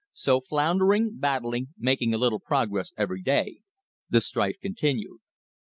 So floundering, battling, making a little progress every day, the strife continued.